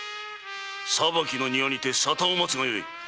裁きの庭にて沙汰を待つがよい！